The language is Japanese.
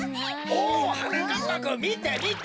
おおはなかっぱくんみてみて！